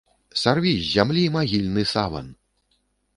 Сарві з зямлі магільны саван!